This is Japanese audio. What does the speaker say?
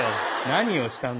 何をしたんだ。